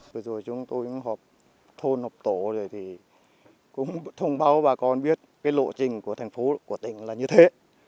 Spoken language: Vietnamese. vừa rồi chúng tôi cũng họp thôn họp tổ rồi thì cũng thông báo bà con biết cái lộ trình của thành phố của tỉnh là như thế